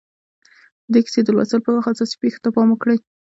د دې کیسې د لوستلو پر وخت اساسي پېښو ته پام وکړئ